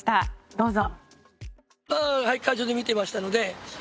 どうぞ。